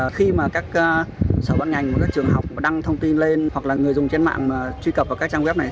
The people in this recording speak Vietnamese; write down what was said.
khi mà các sở ban ngành các trường học đăng thông tin lên hoặc là người dùng trên mạng truy cập vào các trang web này